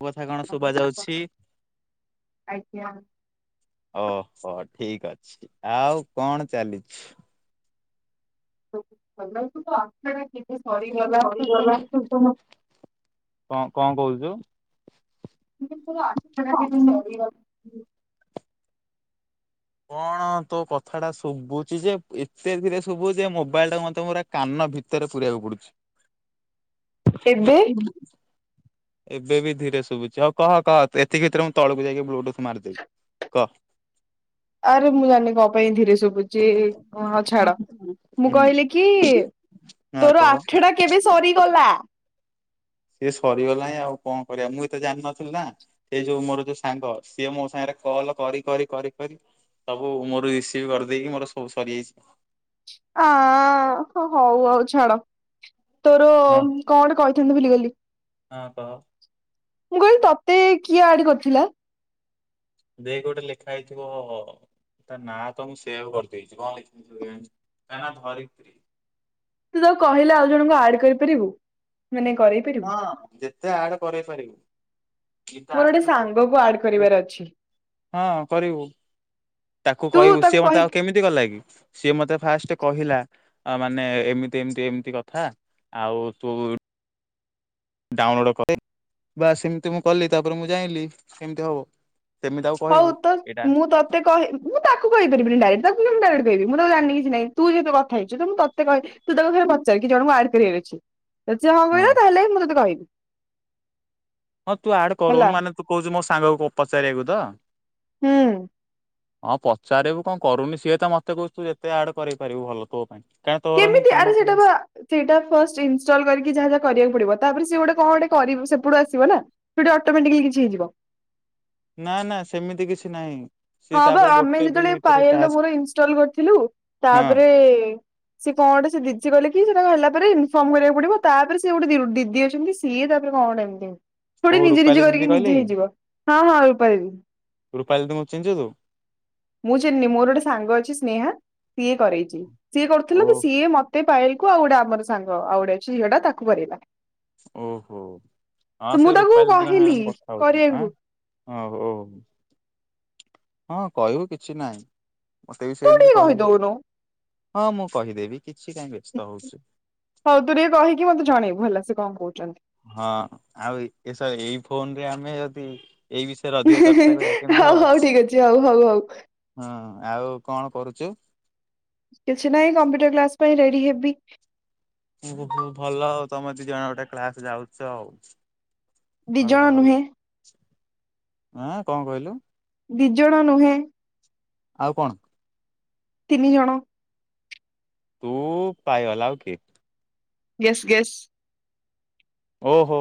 ମୋ କଥା କଣ ଶୁଭ ଆଜ୍ଞା ଯାଉଛି? [unintelligible] ଓହୋ ଠିକ ଅଛି ଆଉ କଣ ଚାଲିଛି? [unintelligible] କେବେ ସରିଗଲା ଆଠଟା ସରିଗଲା ତୁ ତ ମୋତେ କ କଣ କହୁଛୁ? [unintelligible] କଣ ତୋ କଥା ଟା ଶୁଭୁଚି ଯେ ଏତେ ଧରେ ଶୁଭଚି ଯେ ମୋବାଇଲ ଟା ମତେ ପୁରା କାନ ଭିତରେ ପୁରେଇବାକୁ ପଡୁଛି। ଏବେ ଶୁଭିଲା। ଏବେ ବିି ଧୀରେ ଶୁଭୁଚି ହଉ କହ କହ ଏତିିକି ଭିତରେ ମୁଁ ତଳକୁ ଯାଇକି ବ୍ଲୁଟୁଥ ମାରିଦେବି କହ। ଆରେ ମୁଁ ଜାଣିନି କଣ ପାଇଁ ଧୀରେ ଶୁଭୁଛି। ଯେ ହଁ ହଉ ଛାଡ ମୁଁ ହୁଁ କହିଲି କି ହଁ ତୋର କହ। ଆଠଟା କେବେ ସରିଗଲା। ସିଏ ସରିଗଲାଣି ଆଉ କଣ କରିବା ମୁଁ ତ ଜାଣିନଥିଲି ନା ସେ ଯୋଉ ମୋର ଯୋଉ ସାଙ୍ଗ ସିଏ ମୋ ସାଙ୍ଗରେ କଲ କରି କରି କରି କରି ସବୁ ମୋର ରିସିଭ କରିଦେଇକି ମୋର ସବୁ ସରିଯାଇଛି। ଆ ଆ ହଁ ହଉ ଆଉ ଛାଡ। ତୋର ହଁ। କଣ କହିଥାନ୍ତି ଭୁଲି ଗଲି। ହ ହଁ କହ। ମୁଁ କହିଲି ତତେ କିଏ ଆଡ କରିଥିଲା? ଦେ ଗୋଟେ ଲେଖା ହେଇଥିବ ତା ନାଁ ତ ମୁଁ ସେଭ କରିଦେଇଛି କଣ ଲେଖା ହେଇଥିବ କେଜାଣି ତା ନା ଧରିତ୍ରୀ। ତୁ ତ କହିଲେ ଆଉ ଜଣଙ୍କୁ ଆଡ କରିପାରିବୁ? ମାନେ କରେଇ ପାରିବୁ ହଁ ଯେତେ ଆଡ କରଇ ପାରିବୁ ମୋର ଗୋଟେ ସାଙ୍ଗକୁ ଆଡ କରିବାର ଅଛି ହଁ କରିବୁ ତାକୁ ତୁ କହିବୁ ତାକୁ ସିଏ ମତେ କହିପାରିବୁ ଆଉ କେମିତି କଲା କି? ସିଏ ମତେ ଫାଷ୍ଟ କହିଲା ମାନେ ଏମିତି ଏମିତି ଏମିତି କଥା ଆଉ ତୁ ଡାଉନଲୋଡ କରେ ବାସ୍ ସେମିତି ମୁଁ କଲି ତାପରେ ମୁଁ ଜାଇଲିି କେମିତି ହବ। ସେମିତି ତାକୁ ହଉ କହିବୁ ତ ଏଇଟା ମୁଁ ତତେ କହି ମୁଁ ତାକୁ କହିପାରିବିନି ଡାଇରେଟ୍। ତାକୁ ମୁଁ କେମିତି ଡାଇରେକ୍ଟ ଦେଇଦେବି ମୁଁ ତାକୁ ଜାଣିନି କିଛିନାଇ ତୁ ଏକା କଥା ହେଇଛୁ ତ ମୁଁ ତତେ କହଲି ତୁ ତାକୁ ଥରେ ପଚାରିକି ଜଣଙ୍କୁ ଆଡ କରିବାର ଅଛି। ଯଦି ହବ ହଁ ନାଇ ତା ହେଲେ ବି ମୁଁ ତତେ କହିବି। ହଁ ତୁ ଆଡ ହେଲା କରୁନୁ ମାନେ ତୁ କହୁଛୁ ମୋ ସାଙ୍ଗକୁ ପଚାରିବାକୁ ତ। ହୁଁ। ହଁ ପଚାରିବୁ କଣ କରୁନି ସିଏ ତ ମତେ କହୁଛୁ ଯେତେ ଆଡ କରେଇ ପାରିବୁ ଭଲ ତୋ ପାଇଁ। କାରଣ ତୋର ହିଁ କେମିତି କାମ ଆରେ ସେଇଟା ବା କରିବାକୁ ସେଇଟା ଫାଷ୍ଟ ଇନଷ୍ଟଲ କରିକି ଯାହା ଯାହା କରିବାକୁ ପଡିବ ତାପରେ ସେ ଗୋଟେ କଣ ଗୋଟେ କରିବ ସେ ପୁରା ଆସିବ ନା ସୋ ଅଟୋମଟିକାଲି କିଛି ହେଇଯିବ। ନା ନା ସେମିତି କିଛି ନାହିଁ। ସିଏ ହଁ ବା ତାପରେ ଆମେ ଗୋଟେ ଦିନ ଯେତେବେଳେ ଭିତରେ ପାଲ ଟାସ୍କ ମୋର ଇନଷ୍ଟଲ କରିଥିଲୁ ହଁ ତାପରେ ସେ କଣ ସେ ଦିଦି ଗଲେ କି ସେଟା ହେଲା। ତାପରେ ଇନଫର୍ମ କରିବାକୁ ପଡିବ ତାପରେ ସେ ଗୋଟେ ଦିଦି ଅଛନ୍ତି ସିଏ ତାପରେ କଣ ଗୋଟେ ଏମତି ଏମିତି। ସେ ଗୁରା ଓ ନିଜେ ରୁପାଲି ନିଜେ ଦିଦି କରିକି କହିଲେ ନିଜେ କି? ହେଇଯିବ ହଁ ମୁଁ ଆଉ ପାରିବି। ରୁପାଲି ଦିଦିଙ୍କୁ ଚିହ୍ନିଛୁ ତୁ ମୁଁ ଚିହ୍ନିନି ମୋର ଗୋଟେ ସାଙ୍ଗ ଅଛି ସ୍ନେହା ସିଏ କରରେଛି ସିଏ ଓ କରୁଥିଲା କି ସିଏ ମତେ ପାୟେଲ ଆଉଗୋଟେ ଆମର ସାଙ୍ଗ ଆଉଗୋଟେ ଅଛି ଝିଅ ଟା ତାକୁ କରେଇବା। ଓହୋ ହଁ ସେ ତାକୁ ରୂପାଲି ଦିଦିଙ୍କ ସାଙ୍ଗରେ କହିଲି ମୁଁ କଥା ହଉଥିଲି ଆ କରିବାକୁ ହଁ ହଉ। ହଁ କହିବୁ କିଛି ନାହିଁ। ମତେ ବି ତୁ ସେମିତି ଟିକେ କହିଲା। କହିଦଉନୁ ହଁ ମୁଁ କହିଦେବି। କିଛି କାହିଁ ବ୍ୟସ୍ତ ହଉଛୁ ହଉ ତୁ ଟିକେ କହିକି ମତେ ଜଣେଇବୁ ଭଲ ସେ କଣ କହୁଛନ୍ତି। ହଁ ଆଉ ଏଇ ଫୋନ ରେ ଆମେ ଯଦି ଏଇ ବିଷୟରେ ଅଧିକ ଚର୍ଚ୍ଚା କରିବା କେମିତି ହଉ ହବ ହଉ ଠିକ ଅଛି ହଉ ହଉ ହଉ। ହଁ ଆଉ କଣ କରୁଚୁ? କିଛି ନାହିଁ କମ୍ପ୍ୟୁଟର କ୍ଲାସ ପାଇଁ ରେଡି ହେବି। ଓହୋ ଭଲ ଆଉ ତମେ ଦି ଜଣ ଗୋଟେ କ୍ଲାସ ଯାଉଛ ଆଉ। ଦି ଜଣ ଭଲ ଭଲ ନୁହେଁ ଆଁ। କଣ କହିଲୁ? ଦିଜଣ ନୁହେଁ। ଆଉ କଣ? ତିନି ଜଣ। ତୁ ପାୟଲ ଆଉ କିଏ? Guess guess. ଓହୋ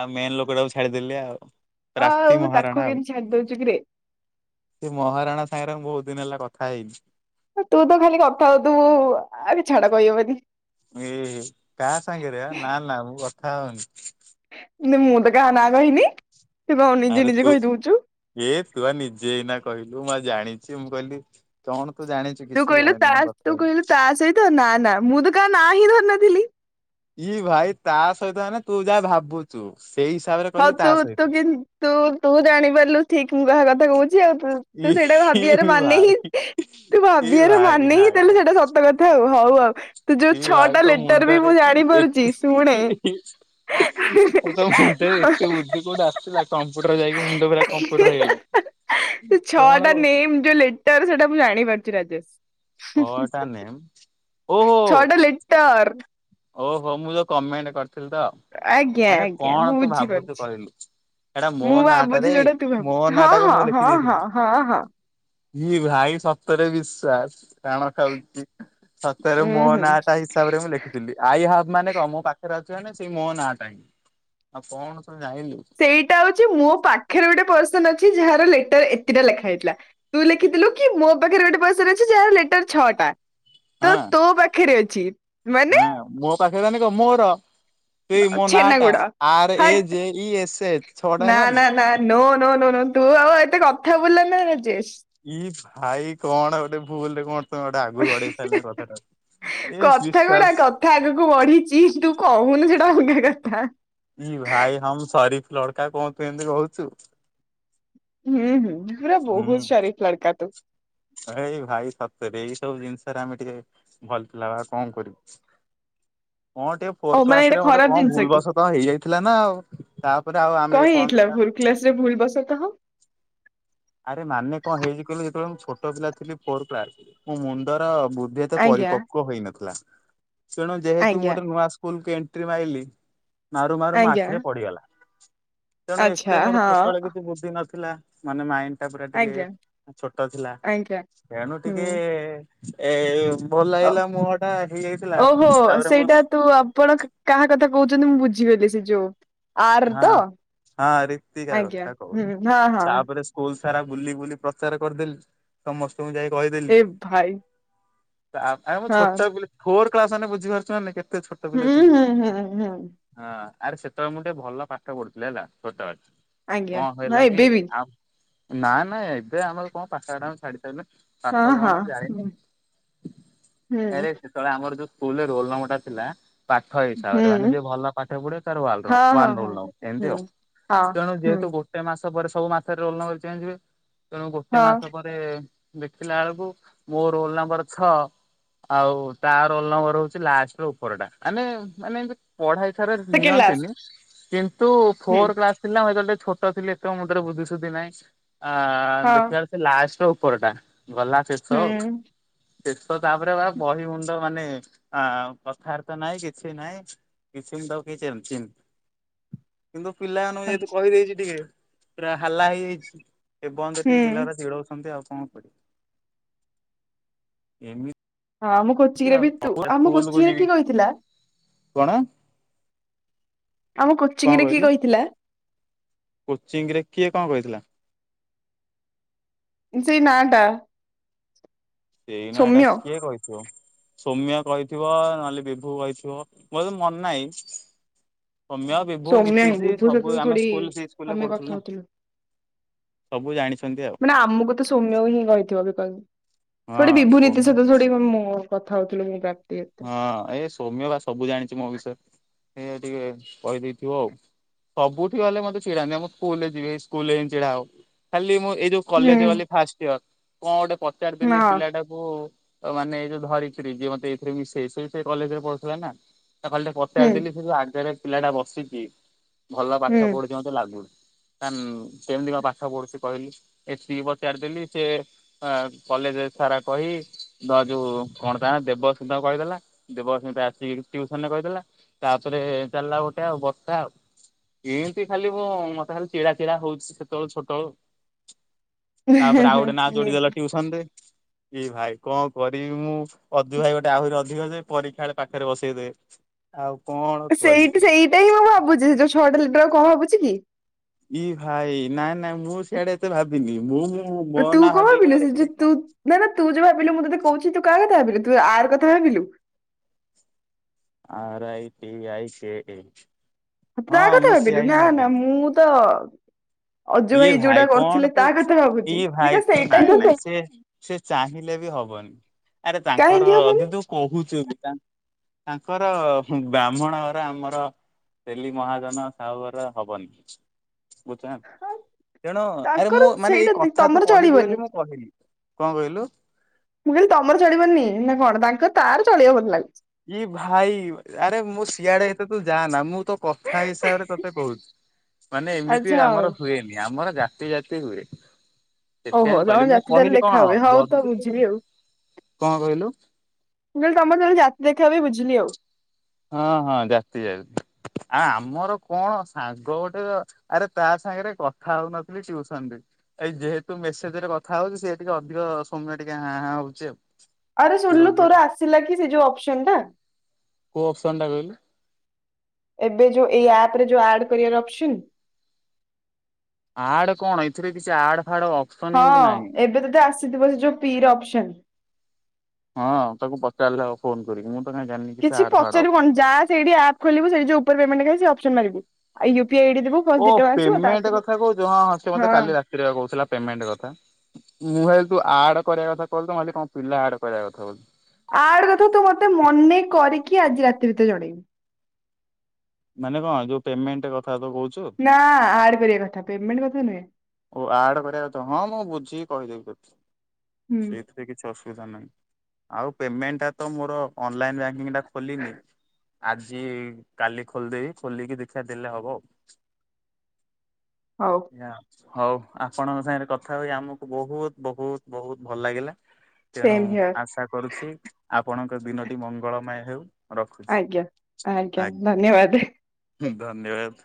ଆଉ ମେନ୍ ଲୋକଟାକୁୁ ଛାଡିଦେଲେ ଆଉ। ପ୍ରାପ୍ତି ଆଉ ମହାରାଣା ତାକୁ ଆଉ କେମତି ଛାଡି ଦଉଛୁ କିରେ? ସେ ମହାରାଣା ସାଙ୍ଗରେ ମୁଁ ବହୁତ ଦିନ ହେଲା କଥା ହେଇନି। ତୁ ତ ଖାଲି କଥା ହଉଥିବୁ ଆରେ ଛାଡ଼ କହିହେବନି। ଏଏ କାହା ସାଙ୍ଗରେ ଆଁ ନା ନା ମୁଁ କ କଥା ହଉନି। ମୁଁ ତ କା ନା କହନି। ଆରେ ତୁ ଏ ତୁ ଆ ନିଜେ ଏଇ ନା କହି କୁ ମା ଜାଣିଛି ମୁଁ କହିଲି କଣ? ତୁ ଜାଣିଛୁ ତୁ କିଛି କହିଲୁ ଜାଣିନୁ ତା ମୁଁ କଥା ତୁ ହଉ କହିଲୁ ତାସହିତ ନା ମୁଁ ତ କା ନାଁ ହିଁ ଧରିନଥିଲି। ଇ ଭାଇ ତା ସହିତ ମାନେ ତୁ ଯା ଭାବୁଛୁ। ସେଇ ହିସାବରେ ହଁ କହିଲି ତା ତୁ ସହିତ। ତୁ କିନ୍ତୁ ତୁ ତୁ ଜାଣିପାରିଲୁ ଠିକ ମୁଁ କାହା କଥା କହୁଛି। ଇ ତୁ ସେଇଟା ଭାବାର ଇ ମାନେ ହିଁ ଭାଇ ତୁ ଇ ଭାବିବାର ଭାଇ ମାନେ ହିଁ ନାଇଁ ତାହଲେ ନାଇଁ ସେଇଟା ସତ କଥା ଆଉ ହଉ ଆଉ ତୁ ଯୋଉ ଇ ଭାଇ ଛଅଟା ତୋ ଲେଟର ବି ମୁଣ୍ଡରେ ମୁଁ ଏ ଜାଣିପାରୁଛି ଶୁଣେ ଏ ଏତେ ବୁଦ୍ଧି କୋଉଠି ଆସିଲା କମ୍ପୁଟର ଯାଇକି ମୁଣ୍ଡ ଫରା କମ୍ପୁଟର ହେଇଗଲା। ସେ କଣ ଛଅଟା ନେମ ଯୋ ଲେଟର ସେଟା ମୁଁ ଜାଣିପାରୁଛିି। ରାଜେଶ୍ ହ ଟା ନେମ୍ ଓହୋ ଛଅଟା ଲେଟର୍ ଓହୋ ମୁଁ ତ କମେଣ୍ଟ କରି ଆଜ୍ଞା ଆଜ୍ଞା ମୁଁ ଭାବୁଛୁ ବୁଝିପାରୁଛି କହିଲୁ ଏଟା ମୋ ମୁଁ ନାଁଟାରେ ଭାବୁଛି ଯୋଉଟା ତୁ ମୋ ଭାବୁ ନାଁ ହଁ ଟାକୁ ହଁ ମୁଁ ଲେଖି ହଁ ଦେଇଥିଲି। ହଁ ହଁ ହଁ। ଇ ଭାଇ ସତରେ ବିଶ୍ଵାସ କାଣ ଖାଉଛି। ସତରେ ମୋ ଉୁଁ ହୁଁ ନାଁଟା ହିସାବରେ ମୁଁ ଲେଖି ଆଇ ହାବ୍ ମାନେ କଣ ମୋ ପାଖ ଜାଣିଚି ସେଇ ମୋହ ନା ଟାଇ ଆଉ କଣ ସବୁ ଜାଣିଲୁ ସେଇଟା ହଉଛି ମୋ ପାଖରେ ଗୋଟେ ପର୍ସନ ଅଛି ଯାହା ଲେଟର ଏତେଟା ଲେଖା ହେଇଥିଲା ତୁ ଲେଖିଥିଲୁ କି ମୋ ପାଖରେ ଗୋଟେ ପର୍ସନ ଅଛି ଯାହାର ଲେଟର ଛଅଟା। ତ ହଁ ତୋ ପାଖରେ ଅଛି ମାନେ ହଁ ମୋ ପାଖରେ ଜ କ ମୋର ସେଇ ମୋ ନାଁ ଟା ଛେନାଗୁଡ଼ା ଆର ଏ ହଟ୍ ଜେ ଇ ଏସ୍ ଏଚ୍ ଛଅଟା ନା ହେଲାନି। ନା ନା ନ ନ ନ ନ ତୁ ଆଉ ଏତେ କଥା ବୁଲା ନା ରାଜେଶ୍ ଇ ଭାଇ କଣ ଗୋଟେ ଭୁଲରେ କଣ ତମେ ଗୋଟେ ଆଗକୁ ଅ ଗଡେଇ ହି ସାରିଲାଣି ହ କଥାଟା। ଏ କଥା ଗୁଡା ବିଶ୍ୱାସ କଥା ଆଗକୁ ବଢିଚ ତୁ କହୁନୁ ହ କଥା ଇ ଭାଇ ହମ ସରିଫ ଲଡକା କଣ ତୁ ଏମତି କହୁଛୁ? ହୁଁ ହୁଁ । ପୁରା ହୁଁ ବହୁତ ଶରିଫ୍ ଲଡକା ତୁ । ଏଇ ଭାଇ ସତରେ ଏଇ ସବୁ ଜିନିଷରେ ଆମେ ଟିକେ ଭଲ ବା କଣ କରିବୁ? କଣ ଟିକେ ଓ ଫୋର୍ ମାନେ କ୍ଲାସ ଏଇଟା ରେ ଗୋଟେ ଖରାପ କ ଜିନିଷ ଭୁଲ ବଷ ତ ହେଇଯାଇ ଥିଲା ନା ଆଉ ତା କ ହେଇଥିଲା ଭୁଲ କ୍ଲାସ୍ ରେ ଭୁଲ ବସତଃ । ଆରେ ମାନେ କଣ ହେଇଛି କହିଲୁ ଯେତେବେଳେ ମୁଁ ଛୋଟ ପିଲା ଥିଲି ଫୋର୍ କ୍ଲାସ ମୋ ମୁଣ୍ଡର ବୁଦ୍ଧି ଏତେ ଆଜ୍ଞା ପରିପକ୍ୱ ହେଇନଥିଲା । ତେଣୁ ଯେହେତୁ ମୁଁ ଆଜ୍ଞା ଗୋଟେ ନୁଆ ସ୍କୁଲ କୁ ଣ୍ଟ୍ରି ମାାଇଲି ମାରୁ ମାରୁ ମୋ ଆଜ୍ଞା ଆଖିରେ ପଡିଗଲା । ତେଣୁ ଏତେ ଆଚ୍ଛା ମୋର ହଁ। ଛୋଟବେଳେ କିଛି ବୁଦ୍ଧି ନା ଥିଲା ମାନେ ମାଇଁ ଅଣ୍ଟା ପୁରା ଟିକେ ଆଜ୍ଞା ଛୋଟ ଥିଲା ଆଜ୍ଞା ତେଣୁ ଟିକେଏ ଏଏମ୍। ହ ଓହୋ ତାପରେ ମୁଁ ସେଇଟା ତୁ ଆପଣ କାହା କଥା କହୁଚନ୍ତି ମୁଁ ବୁଝିଗଲି ସେ ଯୋଉ ଆର୍ ହଁ ତ ହଁ ରୀତିକା ଆଜ୍ଞା କଥା ହୁଁ କହୁଥିଲି ହଁ ହଁ ତାପରେ ସ୍କୁଲସ୍ ସାରା ବୁଲି ବୁଲି ପ୍ରଚାର କରିଦେଲି ସମସ୍ତ ତୁ ଯାଇ କହିଦେଲି। ଏ ଭାଇ ଅବ୍-ଆରେ ମୁଁ ହଁ ଛୋଟ ବିଲି ଫୋର୍ କ୍ଲାସ୍ ମାନେ ବୁଝିପାରୁଚୁ ନାଇ କେ ହୁଁ ହୁଁ ହୁଁ ହୁଁ। ହଁ ଆରେ ସେତବେଳେ ମୁଁ ଗୋଟେ ଭଲ ପାଠ ପଢୁଥିଲେ ହେଲା ଛୋଟ ବେଲେ ଆଜ୍ଞା ନାଇଁ ଏବେବି। ନାଇ ନାଇ ଏବେ ଆମର କଣ ପାଠ ଶାଠ ଆଉ ଆମେ ଛାଡି ସା ହଁ ପାଠ କଣ ହଁ ମୁଁ ଜାଣିନି। ହୁଁ ହୁଁ ଆରେ ସେତେବେଳେ ଆମର ଯୋଉ ସ୍କୁଲରେ ରୋଲ ନମ୍ବର ଟା ଥିଲା ପାଠ ହିସାବରେ ମାନେ ହୁଁ ଯିଏ ଭଲ ପାଠ ପଢ଼ିବ ତାର ୱାଲ ର ହଁ ହଁ ୱାନ୍ ରୋଲ୍ ହଁ ନମ୍ବର ଏନ୍ତି ହୁଁ ଆଉ ହଁ ତେଣୁ ହୁଁ ଯେହେତୁ ଗୋଟେ ମାସ ମାସ ପରେ ସବୁ ମାସରେ ରୋଲ୍ ନମ୍ବର ଚେଞ୍ଜ ହୁଏ। ତେଣୁ ଗୋଟେ ମାସ ହଁ ପରେ ଦେଖିଲା ବେଳକୁ ମୋ ରୋଲ୍ ନମ୍ବର ଛଅ ଆଉ ତା ରୋଲ୍ ନମ୍ବର୍ ହଉଚି ଲାଷ୍ଟର ଉପର ଟା ମାନେ ମାନେ ଏନ୍ତି ପଢାଇ ଥରେ ସେକେଣ୍ଡ ଲାଷ୍ଟ ନିଅନ୍ତିନି। କିନ୍ତୁ ହୁଁ ଫୋର୍ କ୍ଲାସ ଥିଲା ହଁ ସେତେବେଳେ ଟିକେ ଛୋଟ ଥିଲି ଏତେ ମୁଣ୍ଡରେ ବୁଦ୍ଧି ଶୁଦ୍ଧି ନାହିଁ। ଆଁ ହଁ ଦେଖିବାର ସେ ଲାଷ୍ଟ ପରଟା। ଗଲା ଶେଷ ଆଉ। ହୁଁ ଶେଷ ତାପରେ ବା ବହି ମୁଣ୍ଡ ମାନେ ଆ-କଥାବାର୍ତ୍ତା ନାଇ କିଛି ନାଇ କିଛି ମୁ ତାକୁ କିଚୀନ ଚୀନ କିନ୍ତୁ ପିଲାମାନଙ୍କୁ ଯେହେତୁ ଆଚ୍ଛା, କହିଦେଇଚି ଟିକେ ପୁରା ହାଲା ହେଇଯାଇଚି। ଏ ପର୍ଯ୍ୟନ୍ତ ହୁଁ ଟିକେ ହଁ ପିଲାରା ଚିଡଉଛନ୍ତି ଆଉ। [unintelligible] ହଁ ଆମ କୋଚିଙ୍ଗରେ ଆଉ ବିିତୁ ଆମ ସ୍କୁଲକୁ କୋଚିଙ୍ଗରେ ଯିବି। କି କହିଥିଲା। କଣ? ଆମ କୋଚିଂ କଣ ରେ କିଏ କହିଲୁ କହିଥିଲା? କୋଚିଂ ରେ କିଏ କଣ କହିଥିଲା? ସେଇ ନା ଟା ସେଇନାଟା ସୌମ୍ୟ କିଏ କହିଥିବ? ସୌମ୍ୟା କହିଥିବ ନହେଲେ ବିଭୁ କହିଥିବ ମୋର ମନ ନାହିଁ। ସୌମ୍ୟ ବିଭୁ ସୌମ୍ୟା ହେଇଁ ନୀତିଶ ବିଭୁ ସବୁ ସତ ଆମେ ଥୋଡି ସ୍କୁଲ ସେଇ ସ୍କୁଲରେ ଆମେ ପଢୁଥିଲୁ କଥା ନା ହଉଥିଲୁ ସବୁ ଜାଣିଛନ୍ତି ଆଉ ମାନେ ଆମକୁ ତ ସୌମ୍ୟ ହିଁ କହିଥିବ ବିକଜ ଥୋଡ଼ି ହଁ ବିଭୁ ସୌମ୍ୟ [unintelligible] ଥୋଡ଼ି ମୋମ କଥା ହଉଥିଲି [unintelligible] ହଁ ଏଇ ସୋମ୍ୟ ବା ସବୁ ଜାଣିଚି ମୋ ବିଷୟରେ। ଏଇ ଟିକେ କହିଦେଇଥିବ ଆଉ ସବୁଠି ଗଲେ ମତେ ଛିଡାନ୍ତି ଆମ ସ୍କୁଲରେ ଯିବି ସ୍କୁଲରେ ହି ଛିଡା ହବ ଖାଲି ଏଇ ଯୋଉ ହୁଁ କଲେଜ ଗଲି ଫାଷ୍ଟ ଇୟର ଙ୍କ ପଚାରିଦେଲି ହଁ ପିଲାଟାକୁ ତ ମାନେ ଏଇ ଯୋଉ ଧରିକିରି ଯିଅ [unintelligible] କଲେଜରେ ପଢୁଥିଲା ନା। ତାକୁ ଖାଲି ଟିକେ ହୁଁ ପଚାରଦେଲି ସେ ଜଉ ଆଗରେ ପିଲା ଟା ବସିଚି। ଭଲ ପାଠ ହୁଁ ପଢୁଛି ମତେ ଲାଗୁନି। ତା କେମିତି କଁ ପାଠ ପଢୁଛି କହିଲି ଏତିକି ପଚାରିଦେଲି ସେ କଲେଜ ସାରା କହି ବା ଯୋଉ କଣ ତା ଦେବ କହିଦେଲା ଦେବମସ୍ମିତା ଆସିକି ଟ୍ୟୁସନରେ କହିଦେଲା ତାପରେ ଚାଲିଲା ଗୋଟେ ଆଉ ବର୍ଷା ଆଉ ଏନ୍ତି ଖାଲି ମୁଁ ମତେ ଖାଲି ଚିଡ଼ା ଚିଡ଼ା ହଉଛି ସେତେବେଳୁ ଛୋଟବେଳୁ ତାପରେ ଆଉ ଗୋଟେ ନା ଯୋଡିଦେଲା ଟ୍ୟୁସନ୍ ରେ ଏ ଭାଇ କଣ କରିବି ମୁଁ ଅଜୁ ଭାଇ ଗୋଟେ ଆହୁରି ଅଧିକ ଯେ ପରୀକ୍ଷା ବେଳେ ପାଖରେ ବସେଇଦେବେ ଆଉ କଣ କହିବି? ସେଇଠି ସେଇଟା ହିଁ ମୁଁ ଭାବୁଛି ସେ ଯୋଉ ଛଅଟା ଲେଟର୍ କହଁ [unintelligible] ଇ ଭାଇ ନାଁ ନାଁ ମୁଁ ସିଆଡେ ଏତେ ଭାବିନି ମୁଁଁ। ତୁ କଣ ଭାବିଲୁ ତୁ ନା ନା ତୁ ଯୋଉ ଭାବିଲୁ ମୁଁ ତତେ କହୁଚି ତୁ କାହା କଥା ଭାବିଲୁ। ତୁ ଆର କଥା ଭାବିଲୁ। ଆର I T I C D. ତା କଥା ଭାବିଲୁ ନା ନା ମୁଁ ତ ଅଜୁ ଇଏ ଯୋଉଟା ଭାଇ କଣ କରିଥିଲେ ତୁ ତା କଥା ଭାବୁଛି ଇଏ ଭାଇ ବିକଜ ତୁ ସେଇଟା ନାଁଇ ହିଁ ନାଁଇ ସେ ସେ ଚାହିଁଲେ ବି ହବନି ଆରେ ତାଙ୍କର କାହିଁକି ହବନି ଯଦି ତୁ କହୁଚୁ। ତାଙ୍କର ବ୍ରାହ୍ମଣ ଘର ଆମର ତେଲି ମହାଜନ ସାହୁଘର ହବନି ବୁଝ ତେଣୁ ଆରେ ତାଙ୍କର ମୁଁ ମାନେ ଏଇ ସେଇଟା ଦେ କଥା ତୁ ତମର କହିଲୁ ଚଳିବନି ବୋଲି ମୁଁ କହିଲି। କଣ କହିଲୁ? ମୁଁ କହିଲି ତମର ଚଳିବନି ନା କଣ ତାଙ୍କ ତାର ଚଳିବ ବୋଧେ ଲାଗୁ ଇ ଭାଇ ଆରେ ମୁଁ ସିଆଡେ ଏତେ ତୁ ଯାଆନା ମୁଁ ତୋ କଥା ହିସାବରେ ତତେ କହୁଛି ମାନେ ଏମିତି ଆଚ୍ଛା ଆଉ ଆମର ହୁଏନି ଆମର ଯା ଯାତିଯାତି ହୁଏ। ଓହୋ ସେଥିପାଇଁ ମୁଁ ତମ କହିଲି ମୁଁ ଜାତି ତାହେଲେ କହିଲି କଣ ଦେଖା ହୁଏ ହଉ ତ ଯଦି ବୁଝିଲି ଆଉ କଣ କହିଲୁ ମୁଁ କହିଲି ତମର ତାହାଲେ ଯା ଦେଖା ବି ବୁଝିଲି ଆଉ ହଁ ହଁ ଜାତି ଜାତି ଆଉ ଆମର କଣ ସାଙ୍ଗ ଗୋଟେ ଆରେ ତା ସାଙ୍ଗରେ କଥା ହଉନଥିଲି ଟିଉସନ ରେ ଏଇ ଯେହେତୁ ମେସେଜ ରେ କଥା ହଉଛି ସିଏ ଟିକେ ଅଧିକ ସମୟ ଟିକେ ହାଁ ହାଁ ହୋଉଚି ଆଉ ଆରେ ଶୁଣିଲୁ ଚିଡଉଛି ଆଉ। ତୋର ଆସିଲା କି ସେ ଯୋଉ ଅପସନ୍ ଟା କୋଉ ଅପସନ ଟା କହିଲୁ? ଏବେ ଯୋଉ ଏଇ ଆପ ରେ ଯୋଉ ଆଡ଼ କରିବାର ଅପସନ୍। ଆଡ କଣ ଏଥିରେ କିଛି ଆଡ ଫାଡ ଅପସନ ଏମିତି ହଁ ନାହିଁ। ଏବେ ତତେ ଆସ ଥିବ ସେ ଯୋଉ ପି ର ଅପସନ୍। ହଁ ତାକୁ ପଚାରିଲେ ହବ ଫୋନ କରିକି ମୁଁ ତ କାଇଁ ଜାଣିନି କିଛି ଆଡ ଫାଡ ଅପ ପଚାରିବୁ କଣ ଯାହା ସେଇଠି ଆପ୍ ଖୋଲିବୁ ସେଇ ଯୋଉ ଉପରେ ପେମେଣ୍ଟ ଲେଖା ଅପସନ୍ ମାରିବୁ ଆଉ ୟୁ ପି ଆଇ ଆଇଡି ଦବୁ ଫାଷ୍ଟ ଓ ଦି ଟଙ୍କା ଆସିବ ପେମେଣ୍ଟ ତାପରେ କଥା କହୁଛୁ ହଁ ହଁ ସେ ମତେ କାଲି ରାତିରେ ପା କହୁଥିଲା ପମେଣ୍ଟ କଥା ମୁଁ ଭାବିଲି ତୁ ଆଡ କରିବା କଥା କହିଲୁ ତ ମୁଁ କହିଲି କଣ ପିଲା ଆଡ କରିବା କଥା କହୁଚୁ। କି ଆଜି ରାତି ଭିତରେ ଜଣେଇବି। ମାନେ କଣ ଯୋଉ ପେମେଣ୍ଟ କ ନା ଆଡ କରିବା କଥା ପେମେଣ୍ଟ କଥା ନୁହେଁ। ଓ ଆଡ କରିବା କଥା ହଁ ମୁଁ ବୁଝିକି କହିଦେବି ତତେ। ହୁଁ ସେଇଥିରେ କିଛି ଅସୁ ଅସୁବିଧା ନାହିଁ ଆଉ ପିମେଣ୍ଟ ଟା ତ ମୋର ଅନଲାଇନ ବ୍ୟାଙ୍କିଟା ଖୋଲିନି। ଆଜି କାଲି ଖୋଲିଦେବି ଖୋଲିକି ଦେଖିବା ଦେଲେ ହବ। ହଉ । ୟା ହଉ ଆପଣଙ୍କ ସାଙ୍ଗରେ କଥା ହୋଇ ଆମକୁ ବହୁତ ବହୁତ ବହୁତ ଭଲ ଲାଗିଲା। ତେଣୁ ସେମ୍ ହିଅର୍ ଆଶା କରୁଛି ଆପଣ ଦିନଟି ମଙ୍ଗଳମୟ ହେଉ। ରଖୁଛି। ଆଜ୍ଞା ଆଜ୍ଞା ଧନ୍ୟବାଦ। ଧନ୍ୟବାଦ।